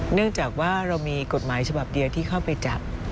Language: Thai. เนื่องจากว่าเรามีกฎหมายฉบับเดียวที่เข้าไปจับ